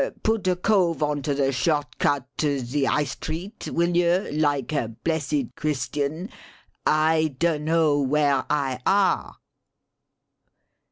Put a cove on to the short cut to the 'Igh Street will yer, like a blessed Christian? I dunno where I are."